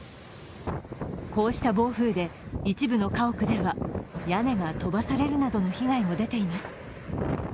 こうした暴風で一部の家屋では屋根が飛ばされるなどの被害も出てています。